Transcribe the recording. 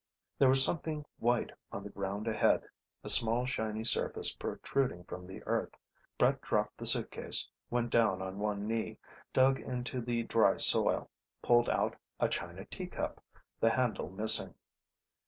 There was something white on the ground ahead, a small shiny surface protruding from the earth. Brett dropped the suitcase, went down on one knee, dug into the dry soil, pulled out a china teacup, the handle missing.